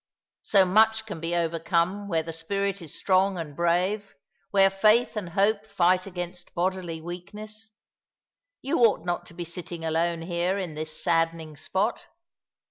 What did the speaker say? So much can be overcome where the spirit is strong and brave, where faith and hope fight against bodily weakness. You ought not to be sitting alone here in this saddening spot.